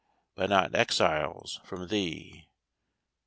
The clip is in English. But not exiles from thee.